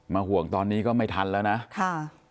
ห่วงตอนนี้ก็ไม่ทันแล้วนะค่ะ